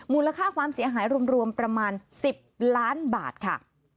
มูลค่าความเสียหายรวมประมาณ๑๐ล้านบาทค่ะ